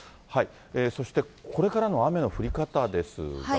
そしてこれからの雨の降り方ですが。